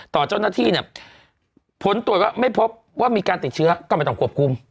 ต่อเจ้าหน้าที่เนี่ยผลตรวจว่าไม่พบว่ามีการติดเชื้อก็ไม่ต้องควบคุม